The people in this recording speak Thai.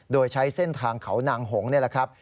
โดยใช้เส้นทางเขานางหงนี่แหละครับ